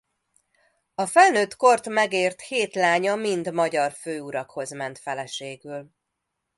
A felnőtt kort megért hét lánya mind magyar főurakhoz ment feleségül.